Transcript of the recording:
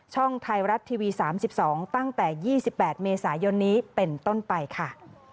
ไทยรัฐทีวี๓๒ตั้งแต่๒๘เมษายนนี้เป็นต้นไปค่ะ